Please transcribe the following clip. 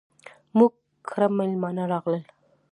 موږ کره ميلمانه راغلل.